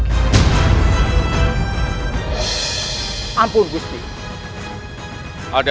aku harus mencari cara